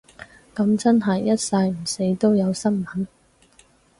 噉真係一世唔死都有新聞